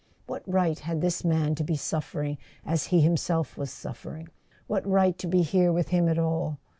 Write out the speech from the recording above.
What right had this man to be suffering as he himself was suffering, what right to be here with him at all?